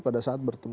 pada saat bertemu